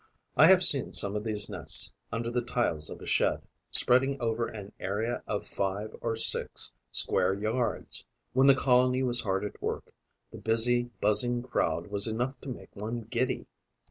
I have seen some of these nests, under the tiles of a shed, spreading over an area of five or six square yards. When the colony was hard at work, the busy, buzzing crowd was enough to make one giddy.